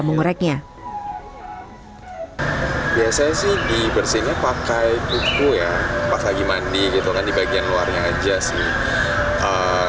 mengoreknya biasanya sih dibersihnya pakai kuku ya pas lagi mandi gitu kan di bagian luarnya aja sih